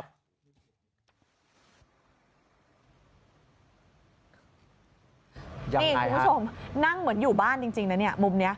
นี่คุณผู้ชมน่างเหมือนอยู่บ้านจริงหมุมนี้